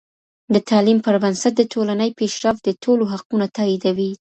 د تعلیم پر بنسټ د ټولنې پیشرفت د ټولو حقونه تاییدوي.